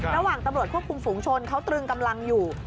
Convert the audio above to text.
ระหว่างตำรวจควบคุมฝูงชนเขาตรึงกำลังอยู่